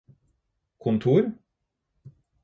kontor